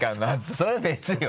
それは別よ。